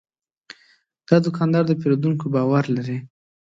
دا دوکاندار د پیرودونکو باور لري.